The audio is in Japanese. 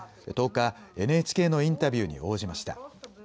１０日、ＮＨＫのインタビューに応じました。